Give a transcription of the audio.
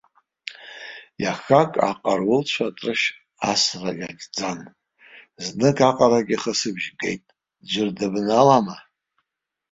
Иахак аҟарулцәа атрышә асран изҿӡаз, знык аҟарагьы ахысбжьы геит, ӡәыр дыбналама?